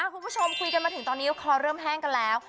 คุณผู้ชมคุยกันมาถึงตอนนี้คอเริ่มแห้งกันแล้ว